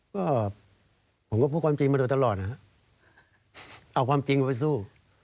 ก็ผมก็พูดความจริงมาโดยตลอดนะครับเอาความจริงไปสู้